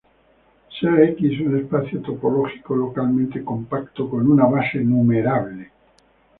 Sea "X" un espacio topológico localmente compacto con una base numerable.